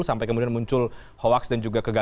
sampai kemudian muncul hoax dan juga kegengan